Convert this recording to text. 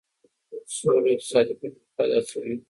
سوله اقتصادي پرمختګ هڅوي.